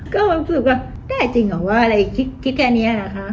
ก็รู้สึกว่าได้จริงเหรอว่าอะไรคิดแค่นี้นะคะ